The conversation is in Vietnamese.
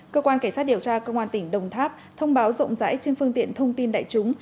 cơ quan cảnh sát điều tra công an tỉnh đồng tháp thông báo rộng rãi trên phương tiện thông tin đại chúng